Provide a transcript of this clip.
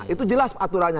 itu jelas aturannya